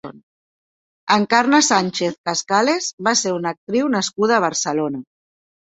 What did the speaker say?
Encarna Sánchez Cascales va ser una actriu nascuda a Barcelona.